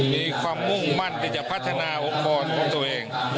มีความมุ่งมั่นที่จะพัฒนาองค์กรของตัวเอง